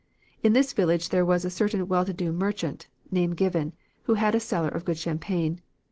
In this village there was a certain well to do merchant (name given) who had a cellar of good champagne.